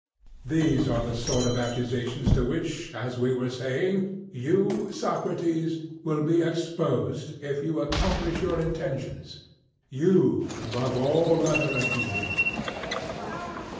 'These are the sort of accusations to which, as we were saying, you, Socrates, will be exposed if you accomplish your intentions; you, above all other Athenians.'